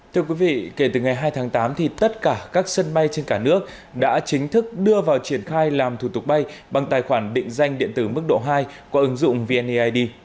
thưa quý vị kể từ ngày hai tháng tám thì tất cả các sân bay trên cả nước đã chính thức đưa vào triển khai làm thủ tục bay bằng tài khoản định danh điện tử mức độ hai qua ứng dụng vneid